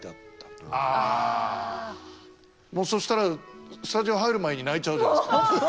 もうそしたらスタジオ入る前に泣いちゃうじゃないですか。